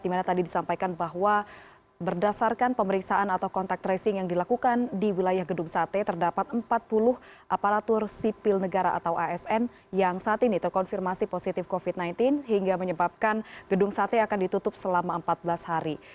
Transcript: dimana tadi disampaikan bahwa berdasarkan pemeriksaan atau kontak tracing yang dilakukan di wilayah gedung sate terdapat empat puluh aparatur sipil negara atau asn yang saat ini terkonfirmasi positif covid sembilan belas hingga menyebabkan gedung sate akan ditutup selama empat belas hari